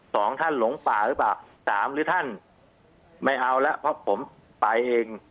สองท่านหลงป่าหรือเปล่าสามหรือท่านไม่เอาแล้วเพราะผมไปเอง